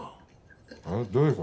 えっどういう事？